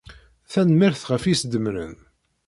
Tanemmirt ɣef isdemren.